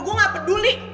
gue gak peduli